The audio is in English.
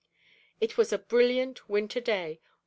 It was a brilliant winter day.